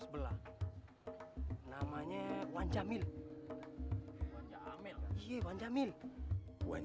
susah banget ya kerja nih bang